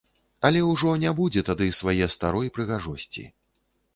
Але ўжо не будзе тады свае старой прыгожасці.